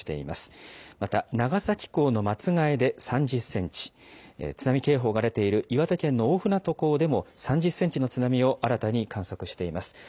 また長崎港の松が枝で３０センチ、津波警報が出ている岩手県の大船渡港でも、３０センチの津波を新たに観測しています。